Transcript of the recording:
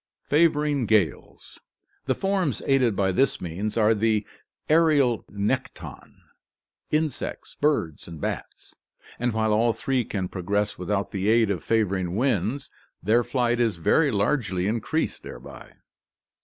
Favoring Gales. — The forms aided by this means are the aerial GEOGRAPHIC DISTRIBUTION 61 nekton — insects, birds, and bats — and while all three can progress without the aid of favoring winds their flight is very largely in creased thereby.